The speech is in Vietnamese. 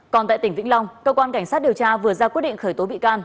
còn tại tỉnh vĩnh long cơ quan cảnh sát điều tra vừa ra quyết định khởi tố bị can